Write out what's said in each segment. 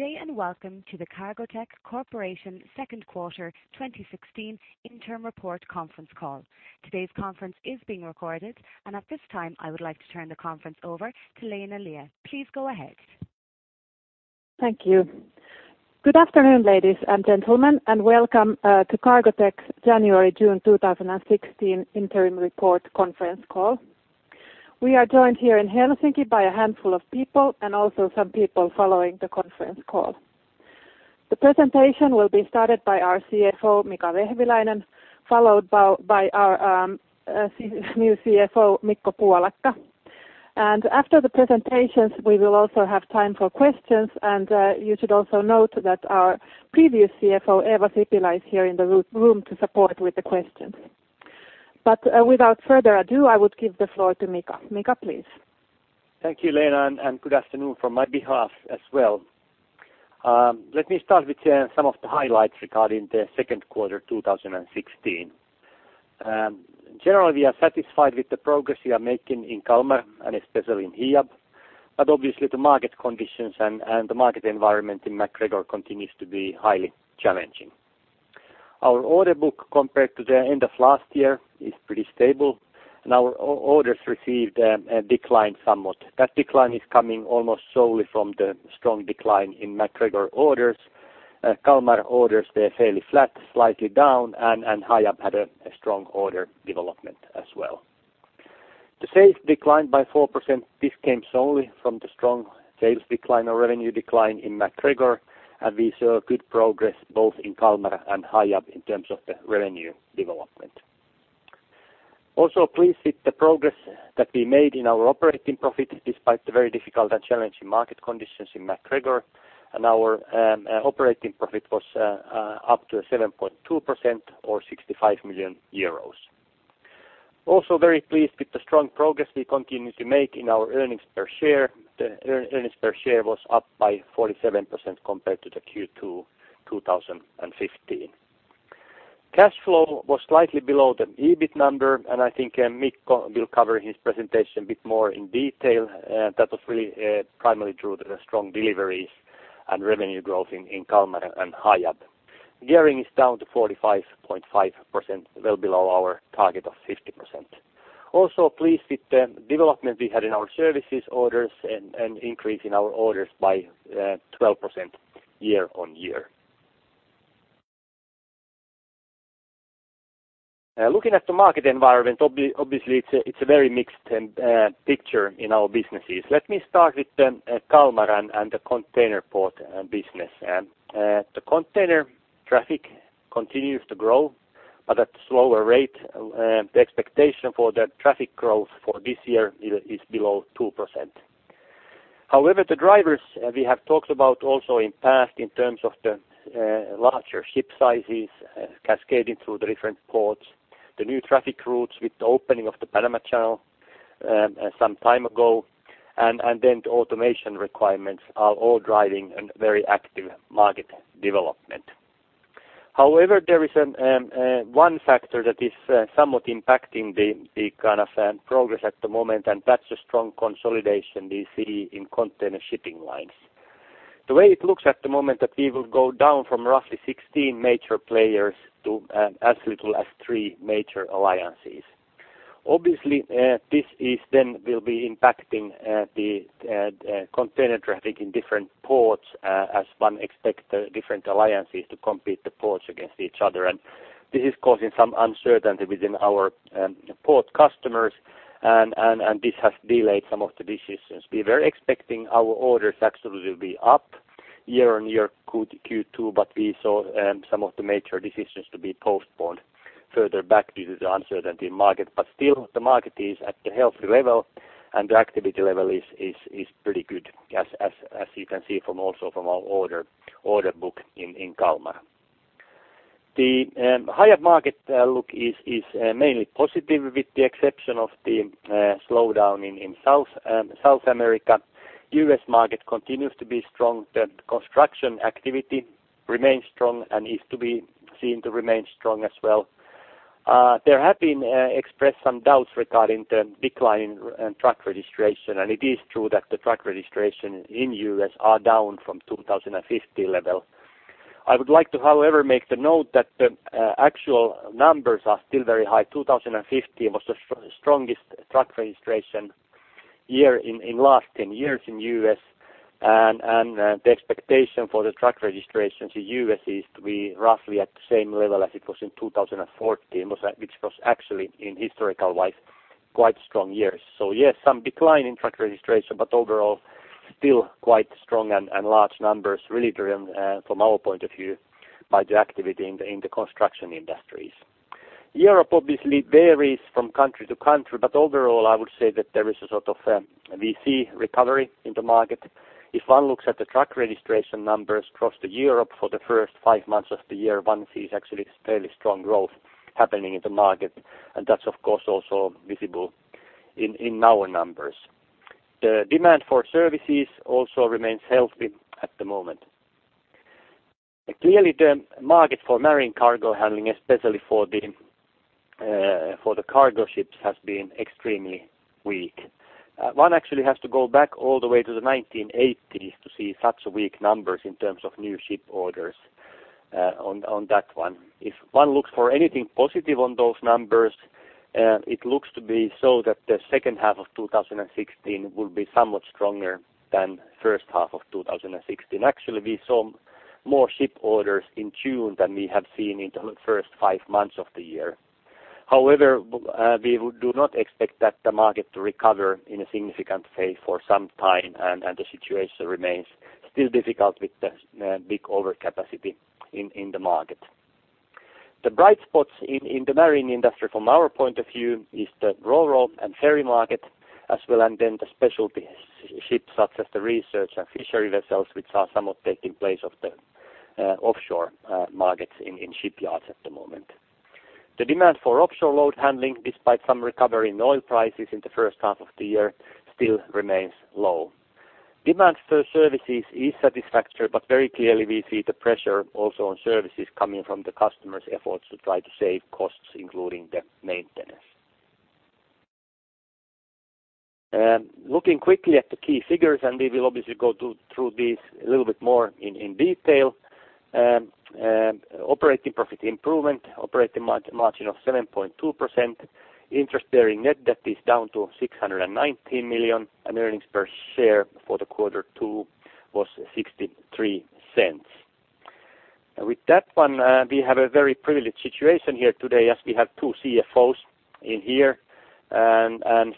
Good day and welcome to the Cargotec Corporation Second Quarter 2016 Interim Report Conference Call. Today's conference is being recorded. At this time, I would like to turn the conference over to Leena Liepe. Please go ahead. Thank you. Good afternoon, ladies and gentlemen, and welcome to Cargotec's January June 2016 Interim Report Conference Call. We are joined here in Helsinki by a handful of people and also some people following the conference call. The presentation will be started by our CFO, Mika Vehviläinen, followed by our new CFO, Mikko Puolakka. After the presentations, we will also have time for questions and you should also note that our previous CFO, Eeva Sipilä, is here in the room to support with the questions. Without further ado, I would give the floor to Mika. Mika, please. Thank you, Leena, and good afternoon from my behalf as well. Let me start with some of the highlights regarding the second quarter 2016. Generally, we are satisfied with the progress we are making in Kalmar and especially in Hiab. Obviously, the market conditions and the market environment in MacGregor continues to be highly challenging. Our order book compared to the end of last year is pretty stable, and our orders received a decline somewhat. That decline is coming almost solely from the strong decline in MacGregor orders. Kalmar orders, they're fairly flat, slightly down and Hiab had a strong order development as well. The sales declined by 4%. This came solely from the strong sales decline or revenue decline in MacGregor. We saw good progress both in Kalmar and Hiab in terms of the revenue development. Also pleased with the progress that we made in our operating profit despite the very difficult and challenging market conditions in MacGregor. Our operating profit was up to 7.2% or 65 million euros. Also very pleased with the strong progress we continue to make in our earnings per share. The earnings per share was up by 47% compared to the Q2 2015. Cash flow was slightly below the EBIT number. I think Mikko will cover in his presentation a bit more in detail. That was really primarily due to the strong deliveries and revenue growth in Kalmar and Hiab. Gearing is down to 45.5%, well below our target of 50%. Also pleased with the development we had in our services orders and increase in our orders by 12% year-on-year. Looking at the market environment, obviously it's a very mixed picture in our businesses. Let me start with Kalmar and the container port business. The container traffic continues to grow but at slower rate. The expectation for the traffic growth for this year is below 2%. However, the drivers we have talked about also in past in terms of the larger ship sizes, cascading through the different ports, the new traffic routes with the opening of the Panama Canal some time ago, and then the automation requirements are all driving a very active market development. However, there is one factor that is somewhat impacting the kind of progress at the moment, and that's a strong consolidation we see in container shipping lines. The way it looks at the moment that we will go down from roughly 16 major players to as little as three major alliances. Obviously, this is then will be impacting the container traffic in different ports, as one expect different alliances to compete the ports against each other. This is causing some uncertainty within our port customers and this has delayed some of the decisions. We were expecting our orders actually will be up year-on-year Q2, but we saw some of the major decisions to be postponed further back due to the uncertainty in market. Still the market is at a healthy level and the activity level is pretty good as you can see from also from our order book in Kalmar. Higher market look is mainly positive with the exception of the slowdown in South America. U.S. market continues to be strong. The construction activity remains strong and is to be seen to remain strong as well. There have been expressed some doubts regarding the decline in truck registration. It is true that the truck registration in U.S. are down from 2015 level. I would like to, however, make the note that the actual numbers are still very high. 2015 was the strongest truck registration year in last 10 years in U.S. The expectation for the truck registrations in U.S. is to be roughly at the same level as it was in 2014, which was actually in historical-wise quite strong years. Yes, some decline in truck registration, but overall still quite strong and large numbers really driven from our point of view by the activity in the construction industries. Europe obviously varies from country to country, but overall I would say that there is a sort of, we see recovery in the market. If one looks at the truck registration numbers across Europe for the first five months of the year, one sees actually fairly strong growth happening in the market, and that's of course also visible in our numbers. The demand for services also remains healthy at the moment. Clearly the market for marine cargo handling, especially for the cargo ships, has been extremely weak. One actually has to go back all the way to the 1980s to see such weak numbers in terms of new ship orders on that one. If one looks for anything positive on those numbers, it looks to be so that the H2 of 2016 will be somewhat stronger than H1 of 2016. Actually, we saw more ship orders in June than we have seen in the first five months of the year. However, we do not expect that the market to recover in a significant phase for some time and the situation remains still difficult with the big overcapacity in the market. The bright spots in the marine industry from our point of view is the RoRo and ferry market as well and then the specialty ships such as the research and fishery vessels which are somewhat taking place of the offshore markets in shipyards at the moment. The demand for offshore load handling, despite some recovery in oil prices in the H1 of the year, still remains low. Demand for services is satisfactory, but very clearly we see the pressure also on services coming from the customers' efforts to try to save costs, including the maintenance. Looking quickly at the key figures, we will obviously go through these a little bit more in detail. Operating profit improvement, operating margin of 7.2%. Interest bearing net debt is down to 619 million, earnings per share for the Q2 was 0.63. With that one, we have a very privileged situation here today as we have two CFOs in here.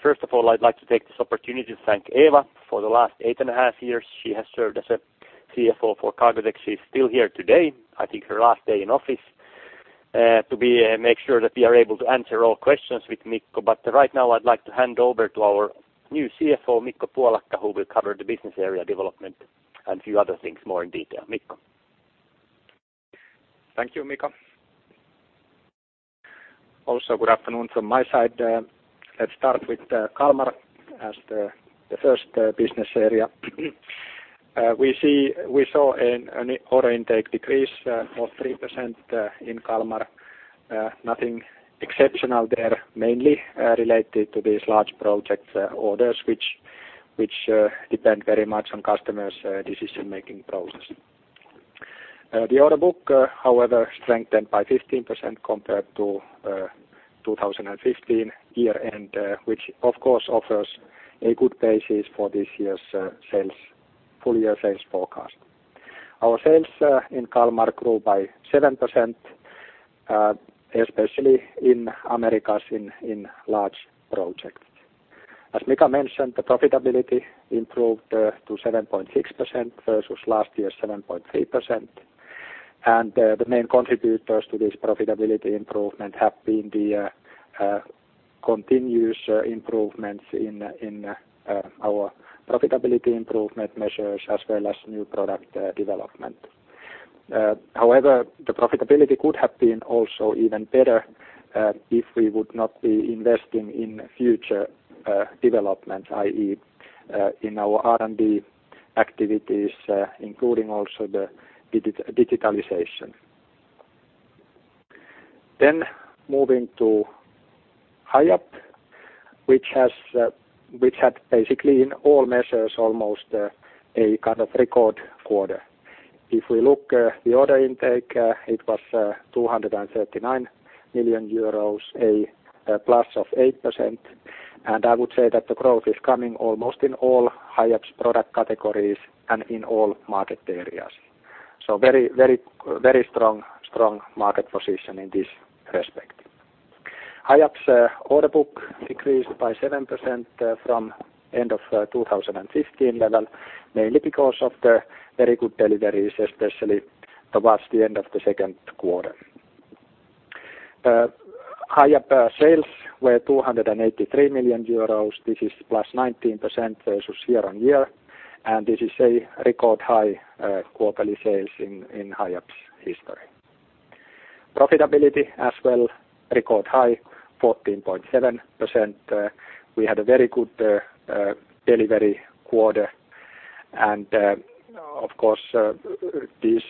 First of all, I'd like to take this opportunity to thank Eeva. For the last eight and a half years, she has served as a CFO for Cargotec. She's still here today, I think her last day in office, to be make sure that we are able to answer all questions with Mikko. Right now I'd like to hand over to our new CFO, Mikko Puolakka, who will cover the business area development and a few other things more in detail. Mikko. Thank you, Mika. Also, good afternoon from my side. Let's start with Kalmar as the first business area. We saw an order intake decrease of 3% in Kalmar. Nothing exceptional there, mainly related to these large project orders, which depend very much on customers' decision-making process. The order book, however, strengthened by 15% compared to 2015 year-end, which of course offers a good basis for this year's sales, full-year sales forecast. Our sales in Kalmar grew by 7%, especially in Americas in large projects. As Mika mentioned, the profitability improved to 7.6% versus last year's 7.3%. And, uh, the main contributors to this profitability improvement have been the, uh, uh, continuous improvements in, in, uh, our profitability improvement measures as well as new product, uh, development. Uh, however, the profitability could have been also even better, uh, if we would not be investing in future, uh, development, i.e., uh, in our R&D activities, uh, including also the digi-digitalization. Then moving to Hiab, which has, uh, which had basically in all measures almost, uh, a kind of record quarter. If we look, uh, the order intake, uh, it was, uh, 239 millions euros, a, uh, plus of eight percent. And I would say that the growth is coming almost in all Hiab's product categories and in all market areas. So very, very, very strong, strong market position in this respect. Hiab's order book decreased by 7% from end of 2015 level, mainly because of the very good deliveries, especially towards the end of the second quarter. Hiab sales were 283 million euros. This is +19% versus year-on-year, and this is a record high quarterly sales in Hiab's history. Profitability as well, record high, 14.7%. We had a very good delivery quarter. Of course, this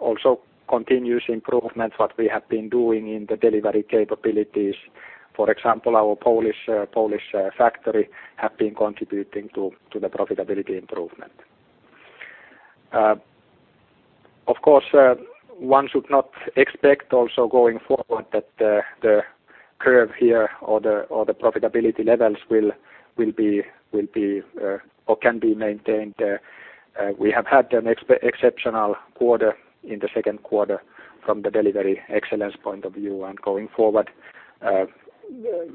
also continuous improvements what we have been doing in the delivery capabilities. For example, our Polish factory have been contributing to the profitability improvement. Of course, one should not expect also going forward that the curve here or the profitability levels will be or can be maintained. We have had an exceptional quarter in the second quarter from the delivery excellence point of view and going forward.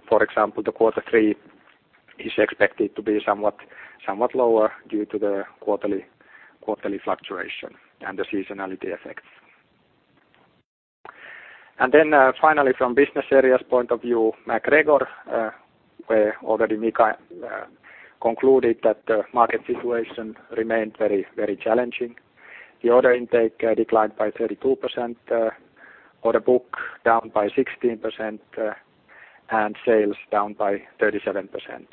For example, the Q3 is expected to be somewhat lower due to the quarterly fluctuation and the seasonality effects. Finally from business areas point of view, MacGregor, where already Mika concluded that the market situation remained very challenging. The order intake declined by 32%, order book down by 16%, and sales down by 37%.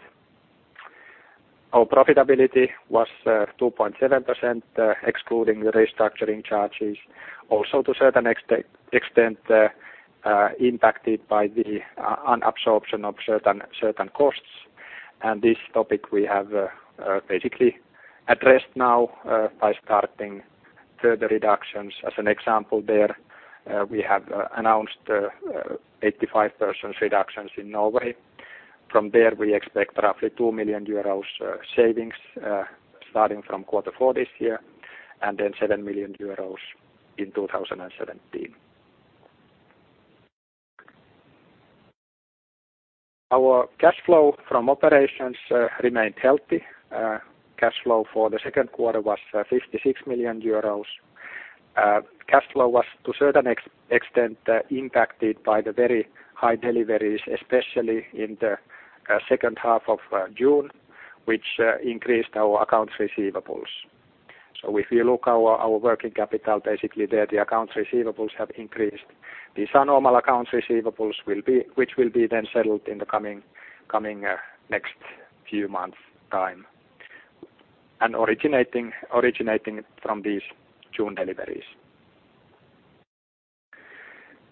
Our profitability was 2.7%, excluding the restructuring charges. Also to a certain extent impacted by the unabsorption of certain costs. This topic we have basically addressed now by starting further reductions. As an example there, we have announced 85% reductions in Norway. From there, we expect roughly 2 million euros savings starting from quarter four this year, and then 7 million euros in 2017. Our cash flow from operations remained healthy. Cash flow for the Q2 was 56 million euros. Cash flow was to a certain extent impacted by the very high deliveries, especially in the H1 of June, which increased our accounts receivables. If you look our working capital, basically there, the accounts receivables have increased. These are normal accounts receivables which will be then settled in the coming next few months time. Originating from these June deliveries.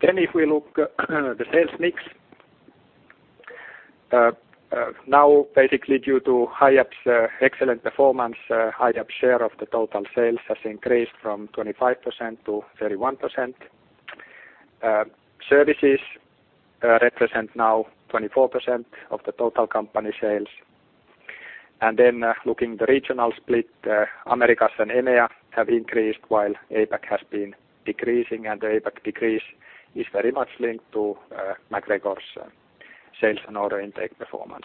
If we look at the sales mix. Now basically due to Hiab's excellent performance, Hiab's share of the total sales has increased from 25% to 31%. Services represent now 24% of the total company sales. Looking the regional split, Americas and EMEA have increased while APAC has been decreasing, and the APAC decrease is very much linked to MacGregor's sales and order intake performance.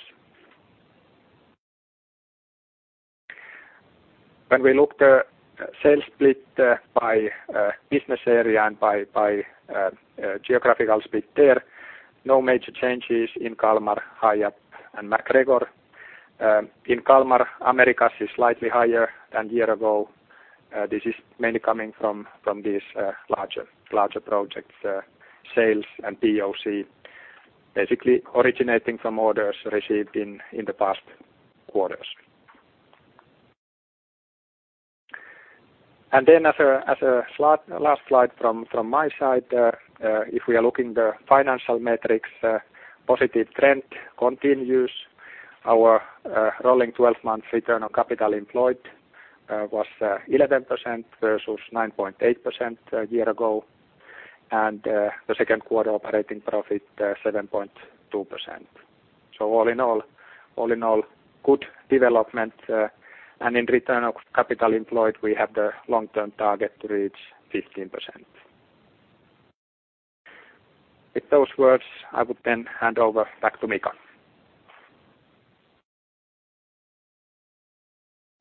When we look the sales split, by business area and by geographical split there, no major changes in Kalmar, Hiab, and MacGregor. In Kalmar, Americas is slightly higher than year ago. This is mainly coming from this larger projects sales and POC. Basically originating from orders received in the past quarters. As a last slide from my side, if we are looking the financial metrics, positive trend continues. Our rolling 12-month return on capital employed was 11% versus 9.8% a year ago. The Q2 operating profit 7.2%. All in all, good development. And in return of capital employed, we have the long-term target to reach 15%. With those words, I would then hand over back to Mika.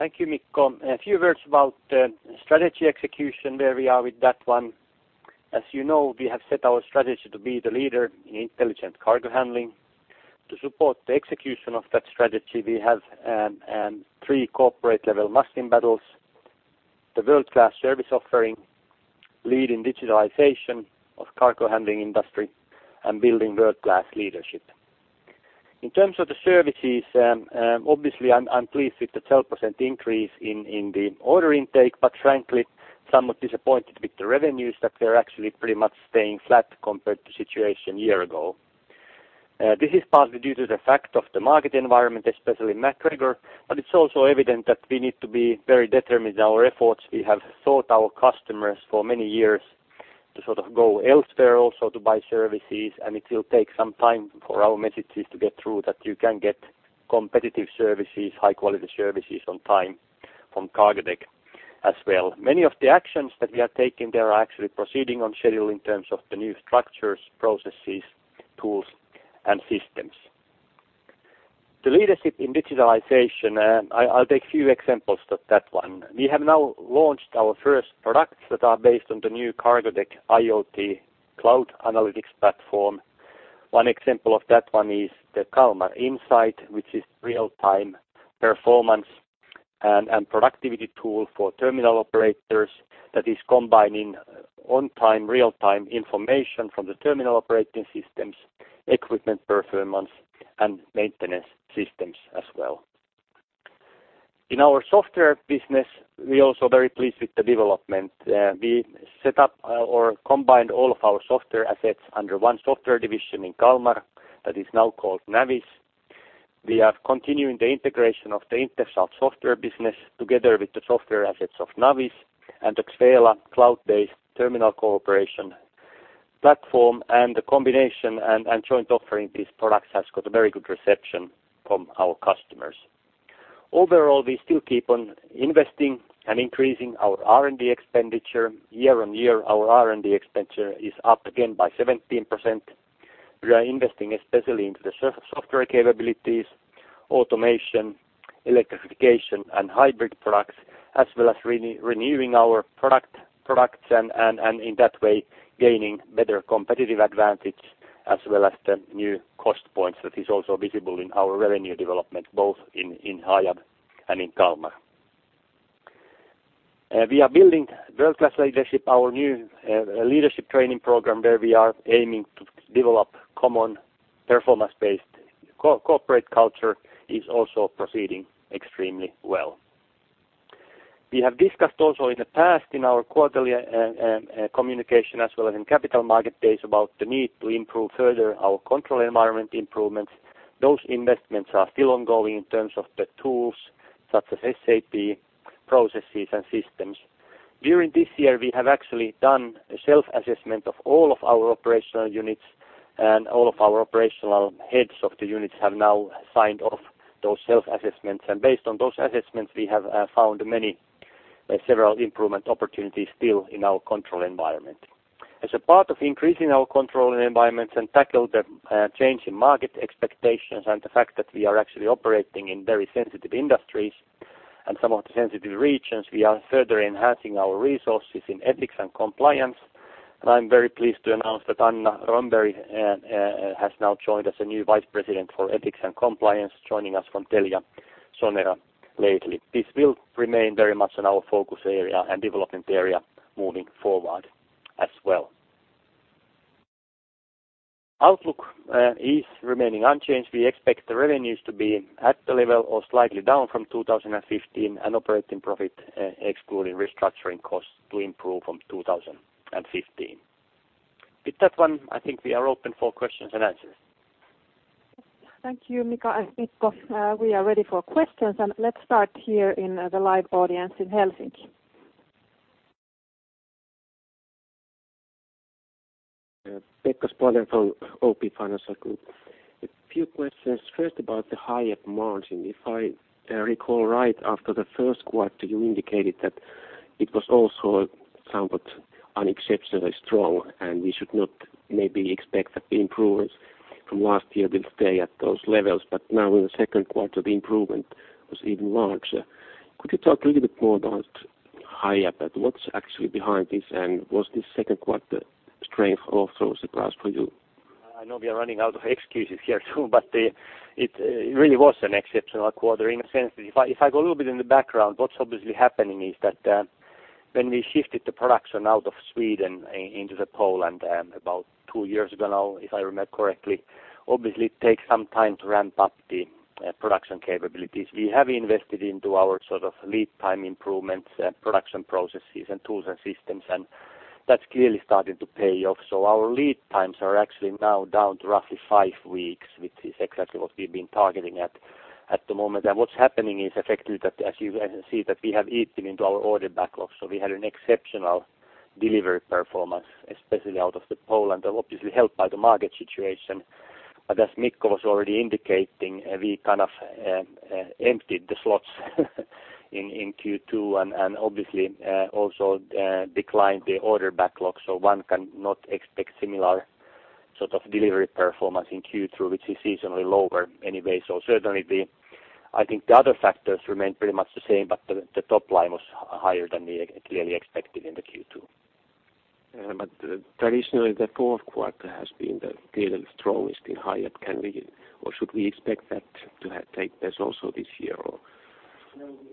Thank you, Mikko. A few words about strategy execution, where we are with that one. As you know, we have set our strategy to be the leader in intelligent cargo handling. To support the execution of that strategy, we have three corporate level must-win battles: the world-class service offering, lead in digitalization of cargo handling industry, and building world-class leadership. In terms of the services, obviously, I'm pleased with the 12% increase in the order intake, but frankly, somewhat disappointed with the revenues that they're actually pretty much staying flat compared to situation year ago. This is partly due to the fact of the market environment, especially MacGregor, but it's also evident that we need to be very determined in our efforts. We have taught our customers for many years to sort of go elsewhere also to buy services. It will take some time for our messages to get through that you can get competitive services, high-quality services on time from Cargotec as well. Many of the actions that we are taking, they are actually proceeding on schedule in terms of the new structures, processes, tools, and systems. The leadership in digitalization, I'll take a few examples to that one. We have now launched our first products that are based on the new Cargotec IoT cloud analytics platform. One example of that one is the Kalmar Insight, which is real-time performance and productivity tool for terminal operators that is combining on time, real-time information from the terminal operating systems, equipment performance and maintenance systems as well. In our software business, we're also very pleased with the development. We set up or combined all of our software assets under one software division in Kalmar that is now called Navis. We are continuing the integration of the Interschalt software business together with the software assets of Navis and the XVELA cloud-based terminal cooperation platform, and the combination and joint offering these products has got a very good reception from our customers. Overall, we still keep on investing and increasing our R&D expenditure. Year-over-year, our R&D expenditure is up again by 17%. We are investing especially into the software capabilities, automation, electrification, and hybrid products, as well as renewing our products and in that way gaining better competitive advantage, as well as the new cost points that is also visible in our revenue development, both in Hiab and in Kalmar. We are building world-class leadership, our new leadership training program, where we are aiming to develop common performance-based corporate culture is also proceeding extremely well. We have discussed also in the past, in our quarterly communication as well as in capital market days, about the need to improve further our control environment improvements. Those investments are still ongoing in terms of the tools such as SAP, processes and systems. During this year, we have actually done a self-assessment of all of our operational units. All of our operational heads of the units have now signed off those self-assessments. Based on those assessments, we have found many, several improvement opportunities still in our control environment. As a part of increasing our control environments and tackle the change in market expectations and the fact that we are actually operating in very sensitive industries and some of the sensitive regions, we are further enhancing our resources in ethics and compliance. I'm very pleased to announce that Anna Romberg has now joined as a new vice president for ethics and compliance, joining us from Telia Company lately. This will remain very much in our focus area and development area moving forward as well. Outlook is remaining unchanged. We expect the revenues to be at the level or slightly down from 2015, and operating profit, excluding restructuring costs, to improve from 2015. With that one, I think we are open for questions and answers. Thank you, Mika and Mikko. We are ready for questions. Let's start here in the live audience in Helsinki. Yeah. Pekka Spolander from OP Financial Group. A few questions. First, about the Hiab margin. If I recall right after the Q1, you indicated that it was also somewhat unexceptionally strong, and we should not maybe expect that the improvements from last year will stay at those levels. Now in the Q2, the improvement was even larger. Could you talk a little bit more about Hiab and what's actually behind this, and was this Q2 strength also a surprise for you? I know we are running out of excuses here too, it really was an exceptional quarter in a sense that if I go a little bit in the background, what's obviously happening is that when we shifted the production out of Sweden into the Poland, about two years ago now, if I remember correctly, obviously it takes some time to ramp up the production capabilities. We have invested into our sort of lead time improvements and production processes and tools and systems, that's clearly starting to pay off. Our lead times are actually now down to roughly five weeks, which is exactly what we've been targeting at the moment. What's happening is effectively that as you can see that we have eaten into our order backlogs, so we had an exceptional delivery performance, especially out of Poland, obviously helped by the market situation. As Mikko was already indicating, we kind of emptied the slots in Q2 and obviously also declined the order backlogs. One cannot expect similar sort of delivery performance in Q3, which is seasonally lower anyway. Certainly I think the other factors remain pretty much the same, but the top line was higher than we clearly expected in the Q2. Yeah. Traditionally, the Q4 has been the clearly strongest in Hiab. Can we or should we expect that to take place also this year or?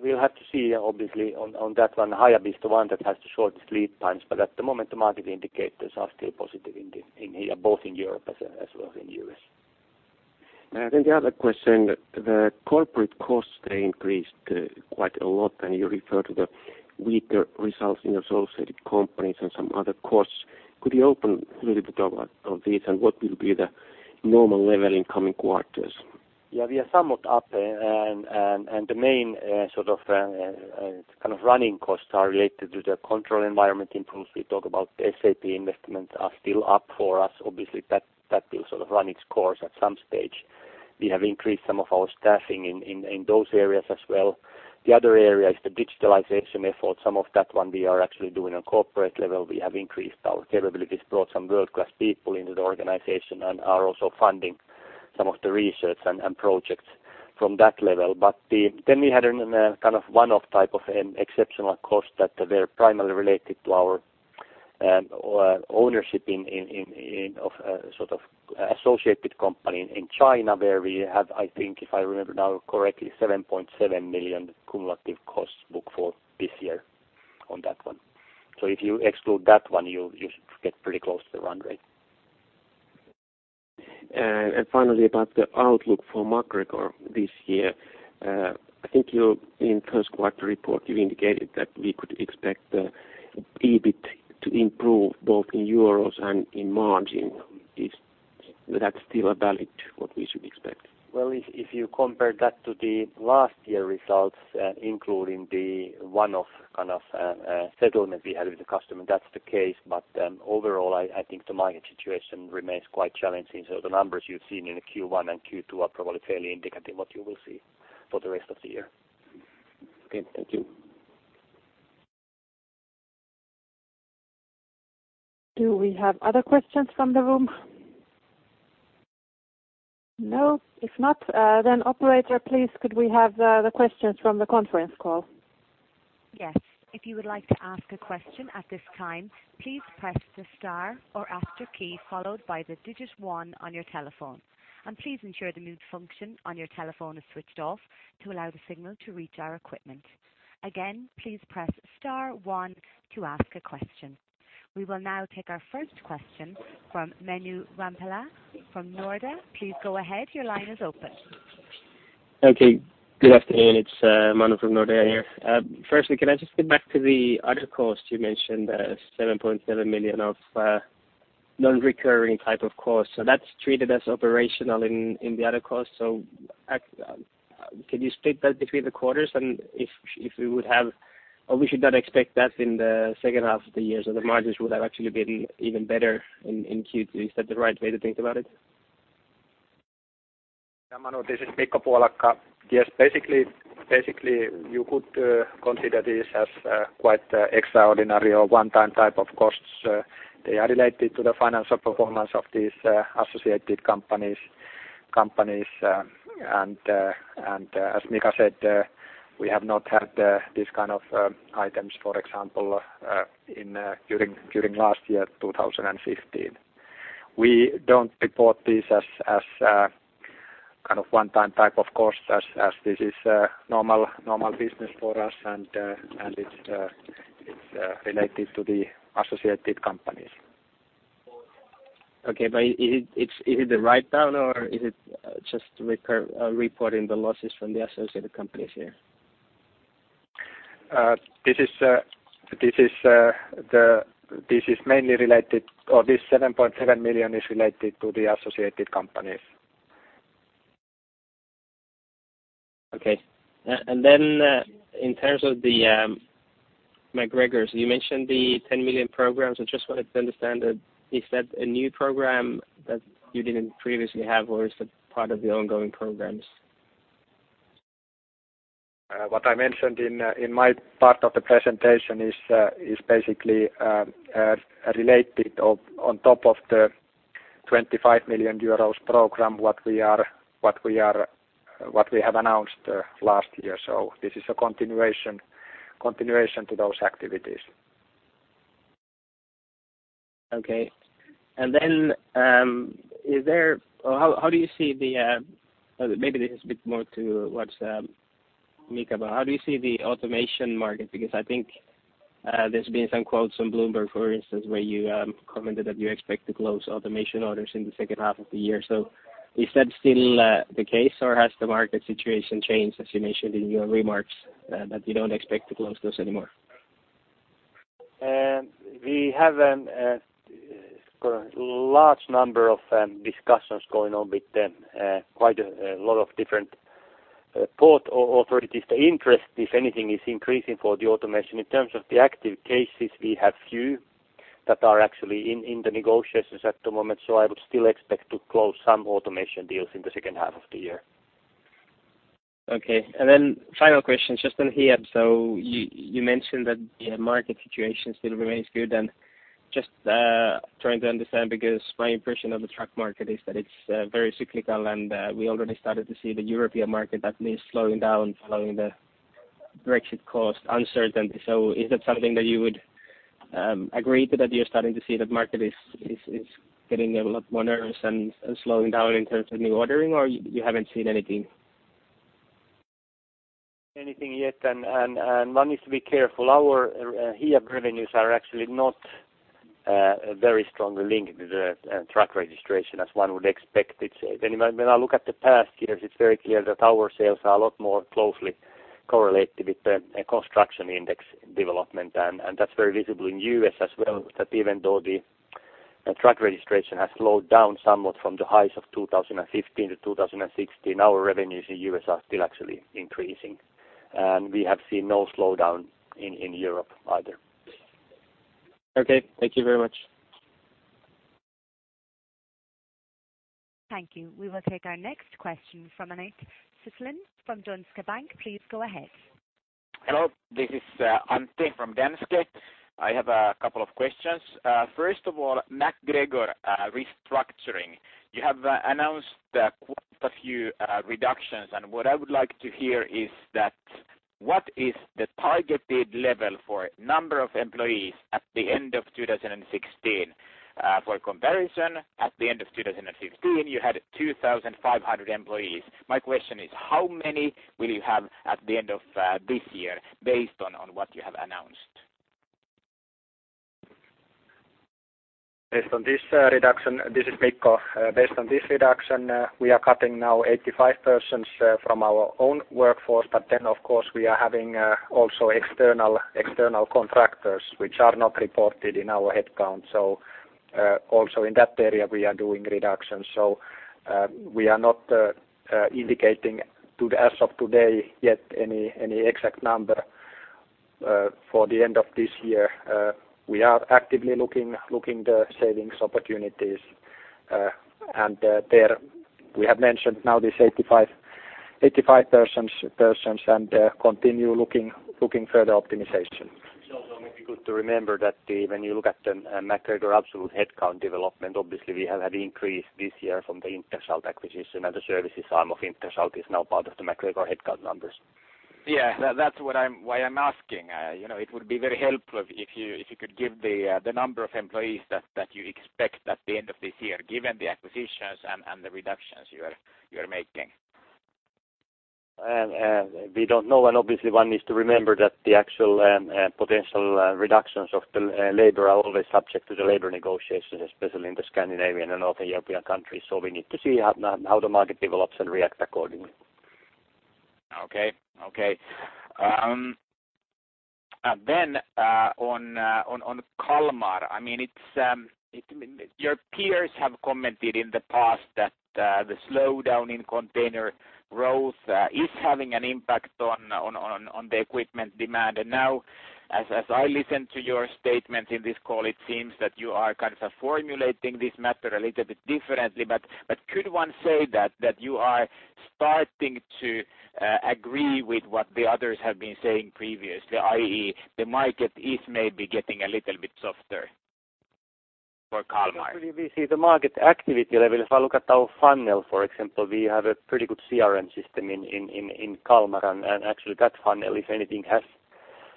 We'll have to see obviously on that one. Hiab is the one that has the shortest lead times. At the moment, the market indicators are still positive in here, both in Europe as well as in U.S. The other question, the corporate costs, they increased quite a lot, and you refer to the weaker results in associated companies and some other costs. Could you open a little bit about of this and what will be the normal level in coming quarters? We are somewhat up and the main running costs are related to the control environment influence. We talk about SAP investments are still up for us. Obviously, that will sort of run its course at some stage. We have increased some of our staffing in those areas as well. The other area is the digitalization effort. Some of that one we are actually doing on corporate level. We have increased our capabilities, brought some world-class people into the organization and are also funding some of the research and projects from that level. Then we had a kind of one-off type of an exceptional cost that were primarily related to our ownership in of sort of associated company in China, where we have, I think if I remember now correctly, 7.7 million cumulative costs booked for this year on that one. If you exclude that one, you'll, you should get pretty close to the run rate. Finally, about the outlook for MacGregor this year. I think in Q1 report, you indicated that we could expect the EBIT to improve both in euros and in margin. Is that still valid what we should expect? Well, if you compare that to the last year results, including the one-off kind of settlement we had with the customer, that's the case. Overall, I think the market situation remains quite challenging. The numbers you've seen in Q1 and Q2 are probably fairly indicative what you will see for the rest of the year. Okay. Thank you. Do we have other questions from the room? No. If not, operator, please could we have the questions from the conference call? Yes. If you would like to ask a question at this time, please press the star or asterisk key followed by one on your telephone. Please ensure the mute function on your telephone is switched off to allow the signal to reach our equipment. Again, please press star one to ask a question. We will now take our first question from Manu Rimpelä from Nordea. Please go ahead. Your line is open. Okay. Good afternoon. It's Manu from Nordea here. Firstly, can I just get back to the other cost you mentioned, 7.7 million of non-recurring type of costs. That's treated as operational in the other costs. Can you split that between the quarters? If, if we would have or we should not expect that in the H2 of the year, the margins would have actually been even better in Q2. Is that the right way to think about it? Manu, this is Mikko Puolakka. Yes. Basically, you could consider this as quite extraordinary or one-time type of costs. They are related to the financial performance of these associated companies. As Mika said, we have not had this kind of items, for example, in during last year, 2015. We don't report this as kind of one time type of cost as this is a normal business for us and it's related to the associated companies. Okay. Is it the write-down or is it just reporting the losses from the associated companies here? This is mainly related or this 7.7 million is related to the associated companies. Okay. In terms of the MacGregor, you mentioned the 10 million programs. I just wanted to understand that is that a new program that you didn't previously have, or is it part of the ongoing programs? What I mentioned in my part of the presentation is basically related of on top of the 25 million euros program, what we have announced last year. This is a continuation to those activities. Okay. How do you see the, maybe this is a bit more to what's Mika, but how do you see the automation market? I think, there's been some quotes from Bloomberg, for instance, where you commented that you expect to close automation orders in the second half of the year. Is that still the case or has the market situation changed as you mentioned in your remarks, that you don't expect to close those anymore? We have large number of discussions going on with them, quite a lot of different port authorities. The interest, if anything, is increasing for the automation. In terms of the active cases, we have few that are actually in the negotiations at the moment. I would still expect to close some automation deals in the H2 of the year. Okay. Final question just on Hiab. You mentioned that the market situation still remains good and just trying to understand because my impression of the truck market is that it's very cyclical and we already started to see the European market that is slowing down following the Brexit cost uncertainty. Is that something that you would agree to, that you're starting to see the market is getting a lot more nervous and slowing down in terms of new ordering or you haven't seen anything? Anything yet, and one needs to be careful. Our Hiab revenues are actually not very strongly linked to the truck registration as one would expect. When I look at the past years, it's very clear that our sales are a lot more closely correlated with the construction index development, and that's very visible in U.S. as well, that even though the truck registration has slowed down somewhat from the highs of 2015 to 2016, our revenues in U.S. are still actually increasing. We have seen no slowdown in Europe either. Okay. Thank you very much. Thank you. We will take our next question from Antti Suttelin from Danske Bank. Please go ahead. Hello. This is Antti from Danske Bank. I have a couple of questions. First of all, MacGregor restructuring. You have announced quite a few reductions, what I would like to hear is that what is the targeted level for number of employees at the end of 2016? For comparison, at the end of 2015, you had 2,500 employees. My question is how many will you have at the end of this year based on what you have announced? Based on this reduction. This is Mikko. Based on this reduction, we are cutting now 85 persons from our own workforce. Of course, we are having also external contractors which are not reported in our headcount. Also in that area we are doing reductions. We are not indicating to the as of today yet any exact number for the end of this year. We are actively looking the savings opportunities, there we have mentioned now this 85 persons and continue looking further optimization. It's also maybe good to remember that when you look at the MacGregor absolute headcount development, obviously we have had increase this year from the Interschalt acquisition and the services arm of Interschalt is now part of the MacGregor headcount numbers. Yeah. That's why I'm asking. you know, it would be very helpful if you could give the number of employees that you expect at the end of this year, given the acquisitions and the reductions you are making. We don't know. Obviously one needs to remember that the actual potential reductions of the labor are always subject to the labor negotiations, especially in the Scandinavian and North European countries. We need to see how the market develops and react accordingly. Okay, okay. Then on Kalmar, I mean, Your peers have commented in the past that the slowdown in container growth is having an impact on the equipment demand. Now, as I listen to your statement in this call, it seems that you are kind of formulating this matter a little bit differently. Could one say that you are starting to agree with what the others have been saying previously, i.e., the market is maybe getting a little bit softer for Kalmar? Actually we see the market activity level. If I look at our funnel, for example, we have a pretty good CRM system in Kalmar, and actually that funnel, if anything,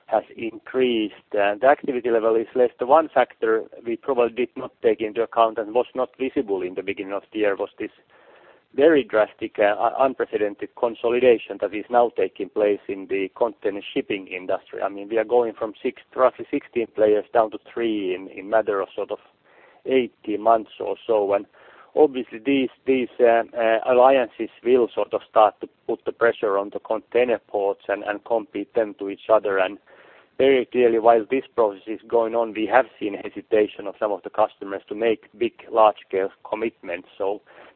has increased. The activity level is less. The one factor we probably did not take into account and was not visible in the beginning of the year was this very drastic, unprecedented consolidation that is now taking place in the container shipping industry. I mean, we are going from six to roughly 16 players down to three in matter of sort of 18 months or so. Obviously these alliances will sort of start to put the pressure on the container ports and compete them to each other. Very clearly, while this process is going on, we have seen hesitation of some of the customers to make big, large-scale commitments.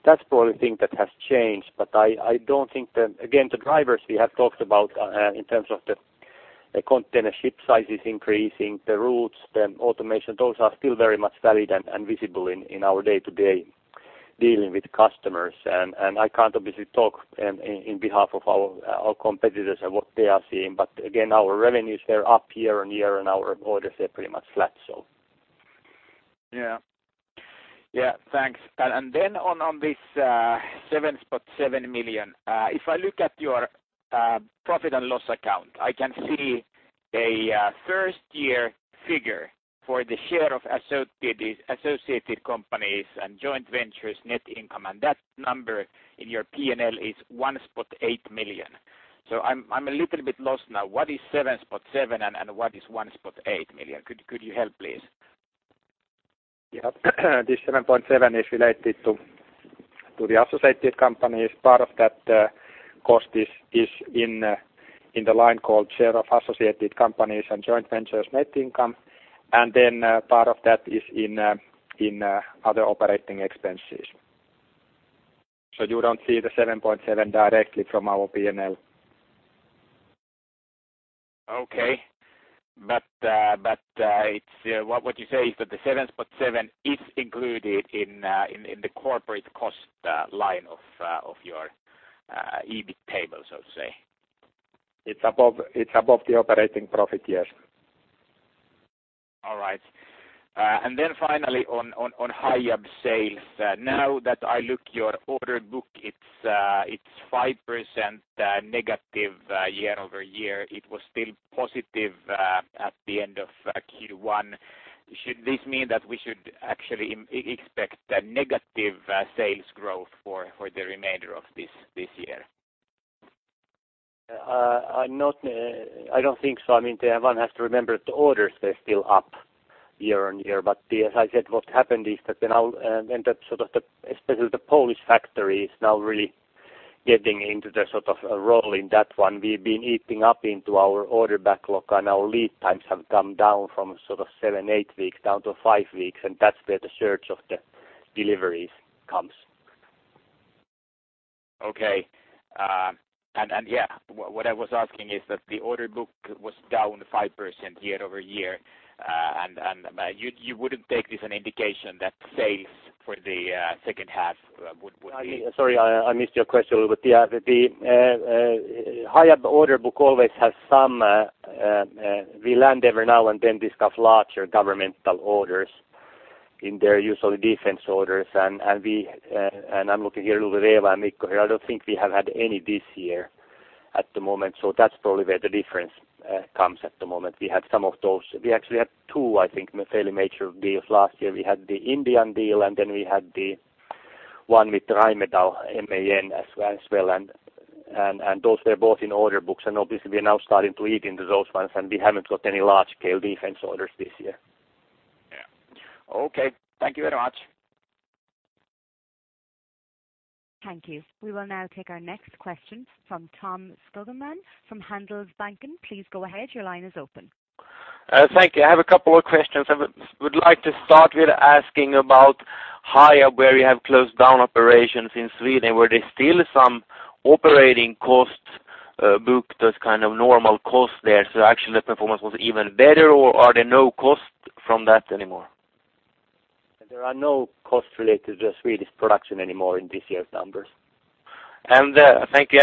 That's probably thing that has changed. I don't think that. Again, the drivers we have talked about in terms of the container ship sizes increasing, the routes, the automation, those are still very much valid and visible in our day-to-day dealing with customers. I can't obviously talk in behalf of our competitors and what they are seeing, but again, our revenues, they're up year-on-year and our orders are pretty much flat, so. Yeah. Yeah, thanks. Then on this 7.7 million, if I look at your profit and loss account, I can see a first year figure for the share of associated companies and joint ventures net income, and that number in your P&L is 1.8 million. I'm a little bit lost now. What is 7.7 and what is 1.8 million? Could you help, please? Yeah. This 7.7 is related to the associated companies. Part of that cost is in the line called share of associated companies and joint ventures net income. Part of that is in other operating expenses. You don't see the 7.7 directly from our P&L. Okay. What you say is that the 7.7 is included in the corporate cost line of your EBIT table, so to say. It's above the operating profit, yes. All right. Finally on Hiab sales. Now that I look your order book it's 5% negative year-over-year. It was still positive at the end of Q1. Should this mean that we should actually expect a negative sales growth for the remainder of this year? I don't think so. I mean, one has to remember the orders are still up year-on-year. As I said, what happened is that now, and that sort of the especially the Polish factory is now really getting into the sort of a role in that one. We've been eating up into our order backlog and our lead times have come down from sort of seven, eight weeks down to five weeks, and that's where the surge of the deliveries comes. Okay. Yeah, what I was asking is that the order book was down 5% year-over-year. You wouldn't take this an indication that sales for the H2 would? Sorry, I missed your question. Yeah, the Hiab order book always has some we land every now and then discuss larger governmental orders in their use of defense orders. I'm looking here. I don't think we have had any this year at the moment. That's probably where the difference comes at the moment. We had some of those. We actually had two, I think, fairly major deals last year. We had the Indian deal, and then we had the one with Rheinmetall, MAN as well. Those were both in order books. Obviously we are now starting to eat into those ones, and we haven't got any large-scale defense orders this year. Yeah. Okay. Thank you very much. Thank you. We will now take our next question from Tom Skogman from Handelsbanken. Please go ahead. Your line is open. Thank you. I have a couple of questions. I would like to start with asking about Hiab, where you have closed down operations in Sweden. Were there still some operating costs booked as kind of normal costs there, so actually the performance was even better? Are there no costs from that anymore? There are no costs related to Swedish production anymore in this year's numbers. Thank you.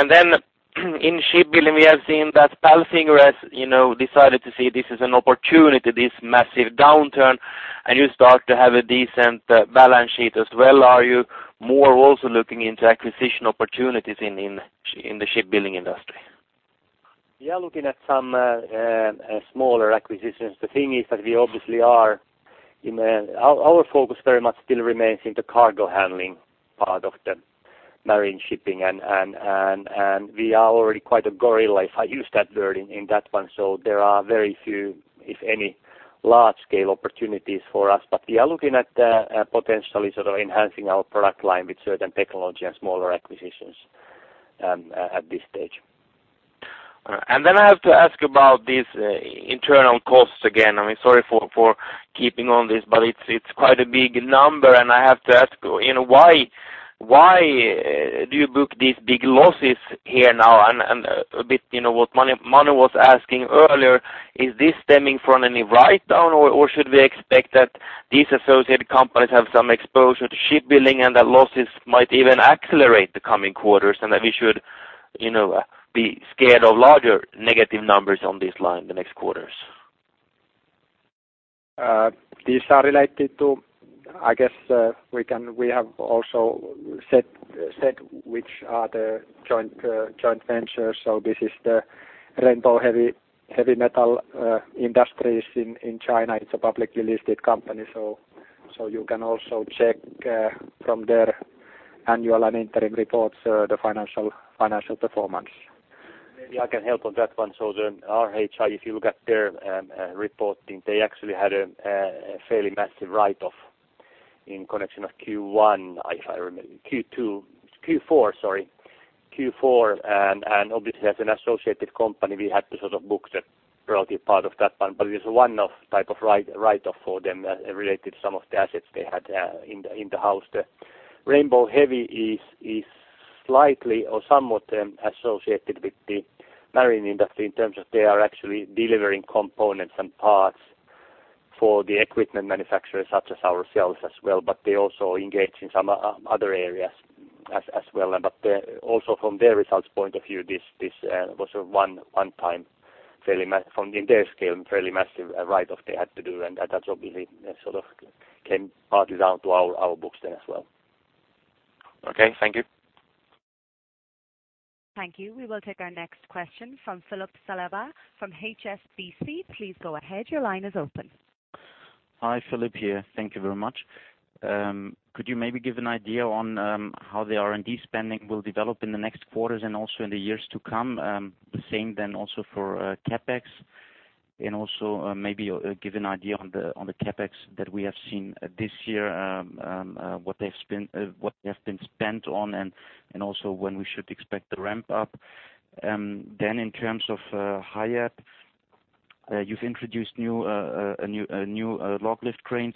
In shipbuilding, we have seen that Palfinger has, you know, decided to see this as an opportunity, this massive downturn, and you start to have a decent balance sheet as well. Are you more also looking into acquisition opportunities in the shipbuilding industry? Looking at some smaller acquisitions. The thing is that we obviously are in a. Our focus very much still remains in the cargo handling part of the marine shipping, and we are already quite a gorilla, if I use that word in that one. There are very few, if any, large-scale opportunities for us. We are looking at potentially sort of enhancing our product line with certain technology and smaller acquisitions at this stage. All right. Then I have to ask about these internal costs again. I mean, sorry for keeping on this, but it's quite a big number. I have to ask, you know, why do you book these big losses here now? A bit, you know, what Manu was asking earlier, is this stemming from any write down, or should we expect that these associated companies have some exposure to shipbuilding and that losses might even accelerate the coming quarters, and that we should, you know, be scared of larger negative numbers on this line the next quarters? These are related to, I guess, we have also said which are the joint ventures. This is the Rainbow Heavy Industries in China. It's a publicly listed company, you can also check from their annual and interim reports the financial performance. Maybe I can help on that one. RHI, if you look at their reporting, they actually had a fairly massive write-off in connection of Q1, Q2. Q4, and obviously as an associated company, we had to sort of book the relative part of that one. It's a one-off type of write-off for them related to some of the assets they had in the house. The Rainbow Heavy is slightly or somewhat associated with the marine industry in terms of they are actually delivering components and parts for the equipment manufacturers such as ourselves as well, but they also engage in some other areas as well. Also from their results point of view, this was a one time fairly from in their scale, fairly massive write-off they had to do. That obviously sort of came partly down to our books then as well. Okay, thank you. Thank you. We will take our next question from Philip Saliba from HSBC. Please go ahead. Your line is open. Hi, Philip here. Thank you very much. Could you maybe give an idea on how the R&D spending will develop in the next quarters and also in the years to come? The same then also for CapEx. Also, maybe give an idea on the CapEx that we have seen this year, what they've been, what they have been spent on and also when we should expect the ramp up. Then in terms of Hiab, you've introduced new LOGLIFT cranes.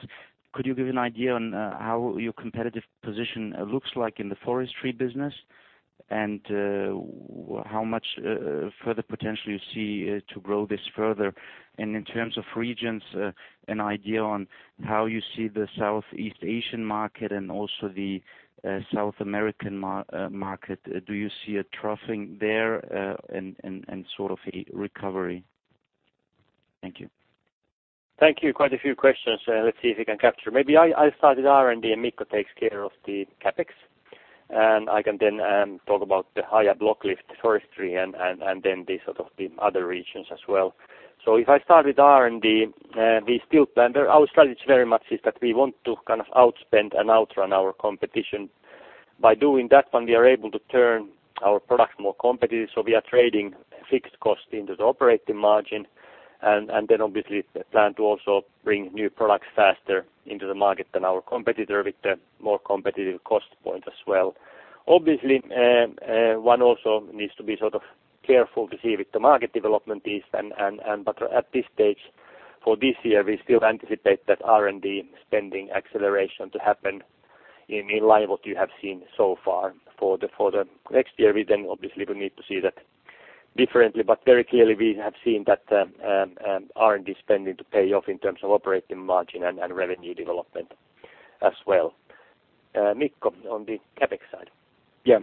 Could you give an idea on how your competitive position looks like in the forestry business and how much further potential you see to grow this further? In terms of regions, an idea on how you see the Southeast Asian market and also the South American market. Do you see a troughing there, and sort of a recovery? Thank you. Thank you. Quite a few questions. Let's see if we can capture. Maybe I'll start with R&D and Mikko takes care of the CapEx. I can then talk about the Hiab block lift forestry and then the sort of the other regions as well. If I start with R&D, we still plan our strategy is very much is that we want to kind of outspend and outrun our competition. By doing that one, we are able to turn our product more competitive. We are trading fixed cost into the operating margin. Then obviously the plan to also bring new products faster into the market than our competitor with a more competitive cost point as well. Obviously, one also needs to be sort of careful to see what the market development is and but at this stage, for this year, we still anticipate that R&D spending acceleration to happen in line what you have seen so far. For the, for the next year, we then obviously we need to see that differently. Very clearly, we have seen that R&D spending to pay off in terms of operating margin and revenue development as well. Mikko, on the CapEx side. Yeah.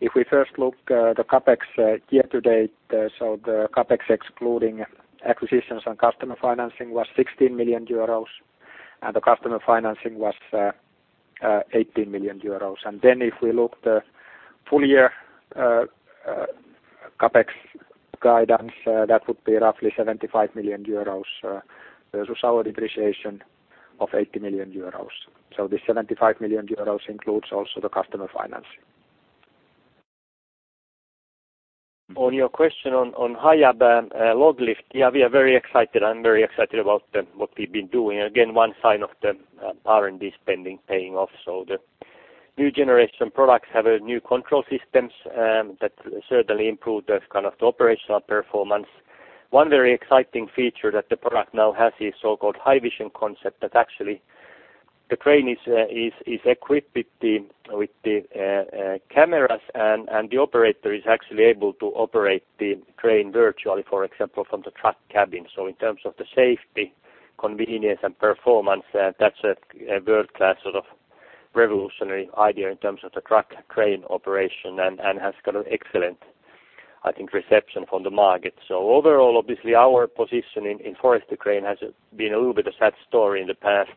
If we first look, the CapEx, year to date, so the CapEx excluding acquisitions and customer financing was 16 million euros, and the customer financing was 18 million euros. If we look the full year CapEx guidance, that would be roughly 75 million euros with our depreciation of 80 million euros. The 75 million euros includes also the customer financing. On your question on Hiab, LOGLIFT. Yeah, we are very excited. I'm very excited about what we've been doing. Again, one sign of the R&D spending paying off. The new generation products have a new control systems that certainly improve the kind of the operational performance. One very exciting feature that the product now has is so-called HiVision concept, that actually the crane is equipped with the cameras and the operator is actually able to operate the crane virtually, for example, from the truck cabin. In terms of the safety, convenience and performance, that's a world-class sort of revolutionary idea in terms of the truck crane operation and has got an excellent, I think, reception from the market. Overall, obviously, our position in forestry crane has been a little bit a sad story in the past.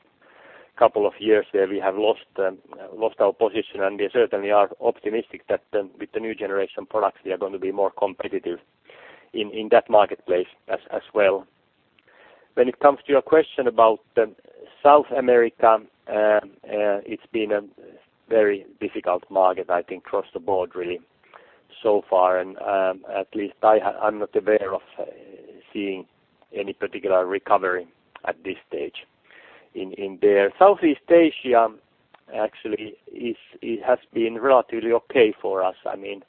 Couple of years where we have lost our position and we certainly are optimistic that with the new generation products we are gonna be more competitive in that marketplace as well. When it comes to your question about South America, it's been a very difficult market I think across the board really so far and at least I'm not aware of seeing any particular recovery at this stage in there. Southeast Asia actually it has been relatively okay for us. I mean,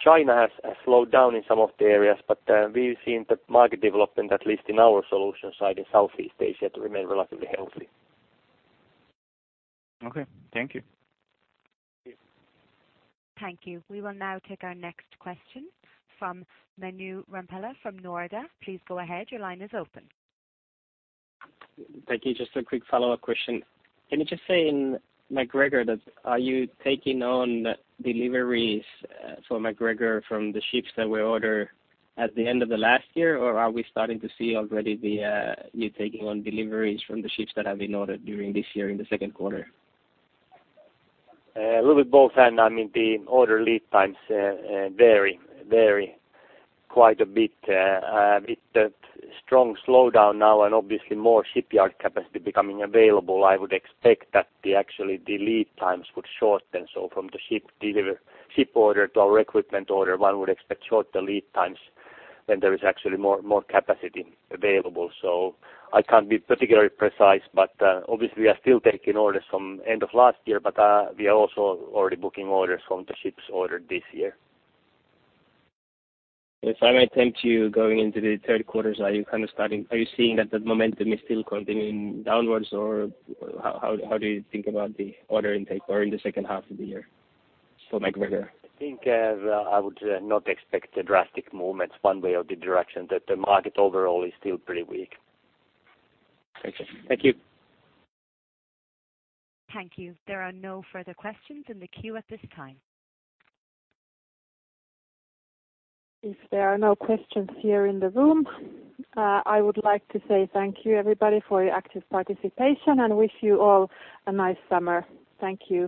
China has slowed down in some of the areas but, we've seen the market development at least in our solution side in Southeast Asia to remain relatively healthy. Okay, thank you. Yeah. Thank you. We will now take our next question from Manu Rimpelä from Nordea. Please go ahead. Your line is open. Thank you. Just a quick follow-up question. Can you just say in MacGregor that are you taking on deliveries for MacGregor from the ships that were order at the end of the last year or are we starting to see already the you taking on deliveries from the ships that have been ordered during this year in the Q2? A little bit both and I mean the order lead times vary quite a bit. With the strong slowdown now and obviously more shipyard capacity becoming available I would expect that the actually the lead times would shorten. From the ship order to our equipment order one would expect shorter lead times when there is actually more capacity available. I can't be particularly precise but obviously we are still taking orders from end of last year but we are also already booking orders from the ships ordered this year. If I may tempt you going into the Q3, are you kind of seeing that the momentum is still continuing downward or how do you think about the order intake or in the H2 of the year for MacGregor? I think, I would not expect a drastic movement one way or the direction that the market overall is still pretty weak. Thank you. Thank you. There are no further questions in the queue at this time. If there are no questions here in the room, I would like to say thank you everybody for your active participation and wish you all a nice summer. Thank you.